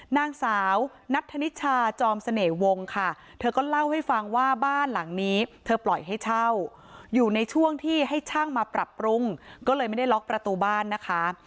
นางสาวนัทธนิชาจอมเสน่ห์วงค่ะเธอก็เล่าให้ฟังว่าบ้านหลังนี้เธอปล่อยให้เช่าอยู่ในช่วงที่ให้ช่างมาปรับปรุงก็เลยไม่ได้ล็อกประตูบ้านนะคะ